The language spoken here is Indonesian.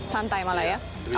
santai malah ya